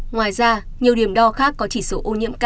nhiều điểm đo khác có chỉ số ô nhiễm bốn trăm hai mươi chín